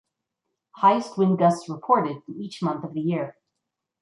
Highest wind gusts reported in each month of the year.